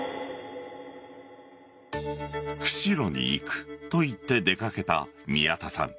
釧路に行くと言って出掛けた宮田さん。